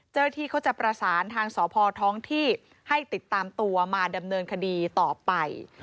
เจ้าหน้าที่เขาจะประสานทางสพท้องที่ให้ติดตามตัวมาดำเนินคดีต่อไป